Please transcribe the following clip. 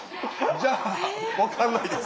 じゃあ分かんないです！